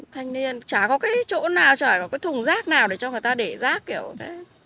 thanh niên chả có cái chỗ nào chả có cái thùng rác nào để cho người ta để rác kiểu thế